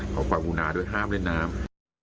ขอความบูณาด้วยห้ามเล่นน้ำ